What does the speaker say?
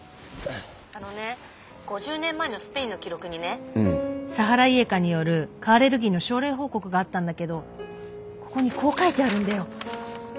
あのね５０年前のスペインの記録にねサハライエカによる蚊アレルギーの症例報告があったんだけどここにこう書いてあるんだよ。